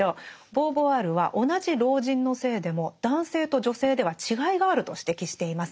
ボーヴォワールは同じ老人の性でも男性と女性では違いがあると指摘しています。